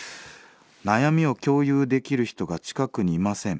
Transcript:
悩みを共有できる人が近くにいません。